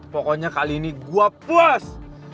pokoknya kali ini gue puas